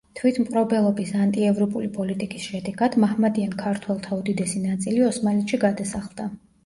თვითმპყრობელობის ანტიეროვნული პოლიტიკის შედეგად მაჰმადიან ქართველთა უდიდესი ნაწილი ოსმალეთში გადასახლდა.